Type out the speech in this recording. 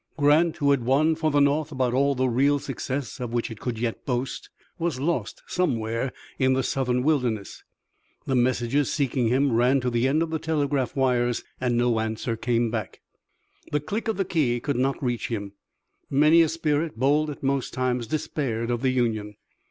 Grant, who had won for the North about all the real success of which it could yet boast, was lost somewhere in the Southern wilderness. The messages seeking him ran to the end of the telegraph wires and no answer came back. The click of the key could not reach him. Many a spirit, bold at most times, despaired of the Union.